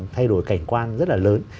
thay đổi cảnh quan rất là lớn